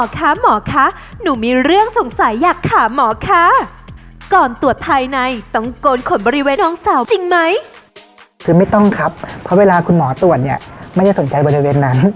คือไม่ต้องครับเพราะเวลาคุณหมอตรวจเนี่ยไม่ได้สนใจบริเวณนั้น